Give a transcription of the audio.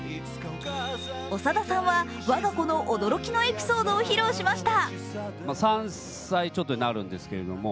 長田さんは我が子の驚きのエピソードを披露しました。